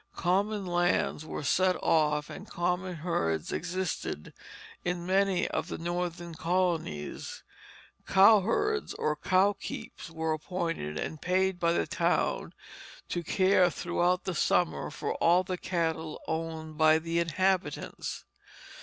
Common lands were set off and common herds existed in many of the Northern colonies; cowherds or "cow keeps" were appointed and paid by the town to care throughout the summer for all the cattle owned by the inhabitants.